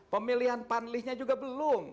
pemilihan panlihnya juga belum